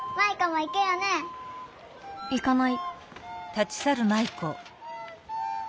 行かない。